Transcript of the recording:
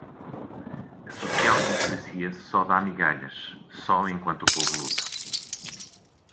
A social-democracia só dá migalhas, só enquanto o povo luta